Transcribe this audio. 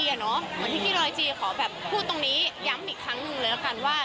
เหมือนที่พี่รอยจีขอแบบพูดตรงนี้ย้ำอีกครั้งหนึ่งเลยละกันว่า